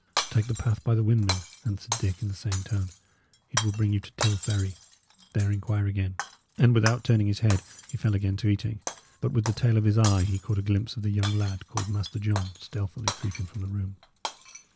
"Take the path by the windmill," answered Dick, in the same tone; "it will bring you to Till Ferry; there inquire again." And without turning his head, he fell again to eating. But with the tail of his eye he caught a glimpse of the young lad called Master John stealthily creeping from the room.